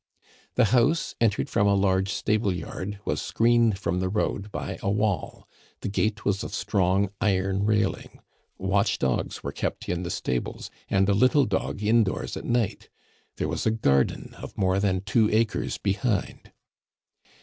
The house, entered from a large stable yard, was screened from the road by a wall; the gate was of strong iron railing. Watch dogs were kept in the stables, and a little dog indoors at night. There was a garden of more than two acres behind.